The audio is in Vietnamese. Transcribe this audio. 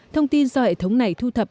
thông tin do hệ thống này thu thập